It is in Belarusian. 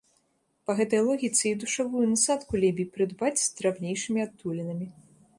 Па гэтай логіцы і душавую насадку лепей прыдбаць з драбнейшымі адтулінамі.